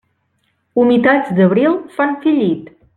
Humitats d'abril fan fer llit.